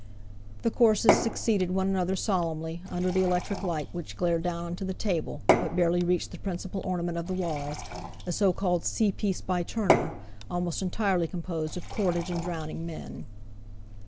The courses succeeded one another solemnly, under the electric light, which glared down onto the table, but barely reached the principal ornament of the walls, a so called "Sea Piece by Turner," almost entirely composed of cordage and drowning men.